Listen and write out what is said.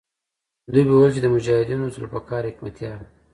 دوی به ویل چې مجاهدونو د ذوالفقار حکمتیار دی.